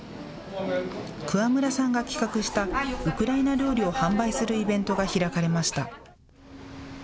桑村さんが企画したウクライナ料理を販売するイベントが開かれました。